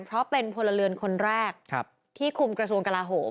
เพราะเป็นพลเรือนคนแรกที่คุมกระทรวงกลาโหม